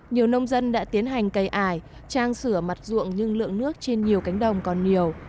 nhiều nông dân đã tiến hành cây ải trang sửa mặt ruộng nhưng lượng nước trên nhiều cánh đồng còn nhiều